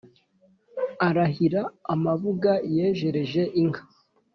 arahira amabuga yejereje inka